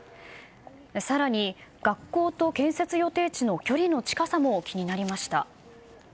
更に学校と建設予定地の距離の近さも気になりました。